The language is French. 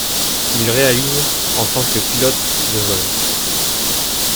Il réalise, en tant que pilote, de vol.